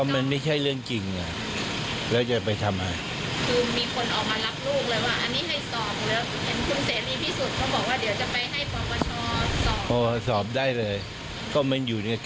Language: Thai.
ไม่อยู่ที่เหมาะผู้ชอบก็จะไม่มีอะไรอีก